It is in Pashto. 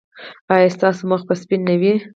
ایا ستاسو مخ به سپین نه وي؟